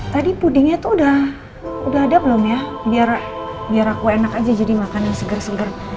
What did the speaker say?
tadi pudingnya tuh udah ada belum ya biar aku enak aja jadi makan yang seger seger